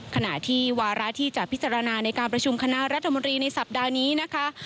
ขณะที่วาระที่จะพิจารณาในการประชุมคณะรัฐมนตรีในสัปดาห์นี้นะคะ